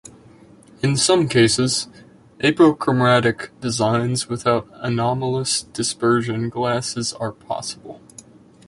In some cases, apochromatic designs without anomalous dispersion glasses are possible.